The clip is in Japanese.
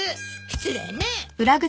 失礼ね。